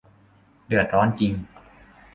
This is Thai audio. เดือดร้อนจริง